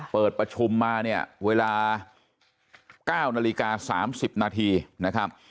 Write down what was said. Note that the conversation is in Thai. เปิดประชุมมาเนี่ยเวลา๙นาฬิกา๓๐นาทีนะครับ